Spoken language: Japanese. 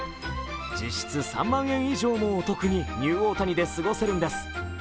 実質３万円以上もお得にニューオータニで過ごせるんです。